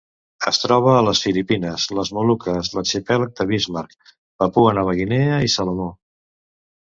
Es troba a les Filipines, les Moluques, l'Arxipèlag de Bismarck, Papua Nova Guinea i Salomó.